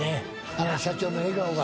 あの社長の笑顔が。